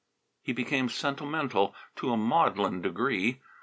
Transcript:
He became sentimental to a maudlin degree.